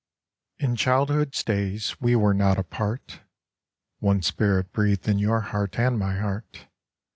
IN childhood's days we were not apart : One spirit breathed in your heart and my heart.